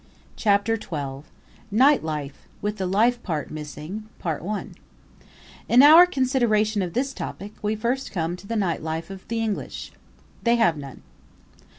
Chapter XII Night Life with the Life Part Missing In our consideration of this topic we come first to the night life of the English. They have none.